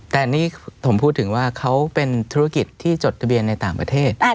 แต่นี่ผมพูดถึงว่าเขาเป็นธุรกิจที่จดทะเบียนในต่างประเทศ